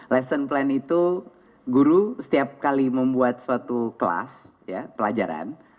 lesson plan itu guru setiap kali membuat suatu kelas pelajaran